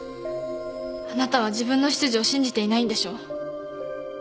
あなたは自分の執事を信じていないんでしょ？